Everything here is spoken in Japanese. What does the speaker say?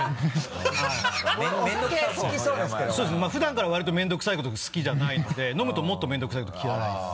普段から割と面倒くさいことが好きじゃないので飲むともっと面倒くさいこと嫌いなんです。